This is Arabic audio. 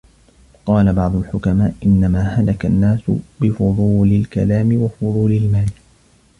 وَقَالَ بَعْضُ الْحُكَمَاءِ إنَّمَا هَلَكَ النَّاسُ بِفُضُولِ الْكَلَامِ وَفُضُولِ الْمَالِ